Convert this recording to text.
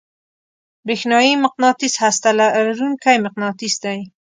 برېښنايي مقناطیس هسته لرونکی مقناطیس دی.